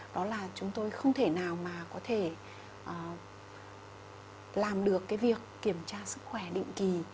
đó là chúng tôi không thể nào mà có thể làm được cái việc kiểm tra sức khỏe định kỳ